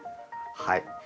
はい。